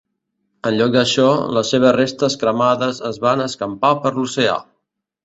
En lloc d"això, les seves restes cremades es van escampar per l"oceà.